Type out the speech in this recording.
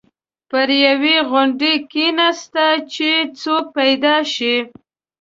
پر یوې غونډۍ کېناسته چې څوک پیدا شي.